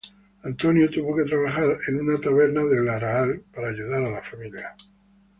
Antonio tuvo que trabajar en una taberna de Arahal para ayudar a la familia.